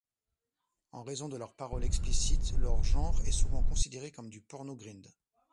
En raison de leurs paroles explicites, leur genre est souvent considéré comme du pornogrind.